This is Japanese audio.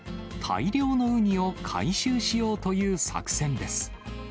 大量のウニを回収しようという作戦です。